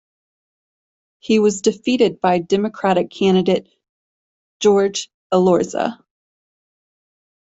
He was defeated by Democratic candidate Jorge Elorza.